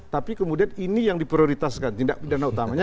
tapi kemudian ini yang diprioritaskan tindak pidana utamanya